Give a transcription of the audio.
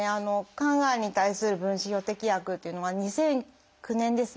肝がんに対する分子標的薬っていうのは２００９年ですね。